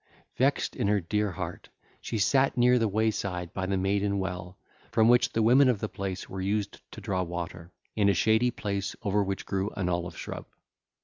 Vexed in her dear heart, she sat near the wayside by the Maiden Well, from which the women of the place were used to draw water, in a shady place over which grew an olive shrub.